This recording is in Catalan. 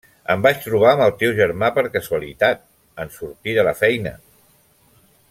Em vaig trobar amb el teu germà per casualitat en sortir de la feina.